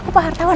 aku pak hartawan